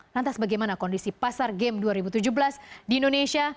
lantas bagaimana kondisi pasar game dua ribu tujuh belas di indonesia